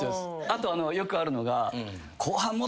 あとよくあるのが。